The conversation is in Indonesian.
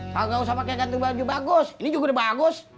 kalau nggak usah pakai kantung baju bagus ini juga udah bagus